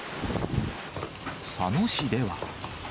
佐野市では。